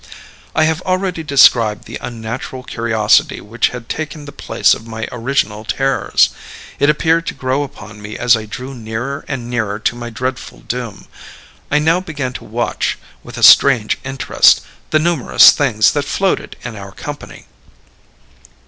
"I have already described the unnatural curiosity which had taken the place of my original terrors. It appeared to grow upon me as I drew nearer and nearer to my dreadful doom. I now began to watch, with a strange interest, the numerous things that floated in our company.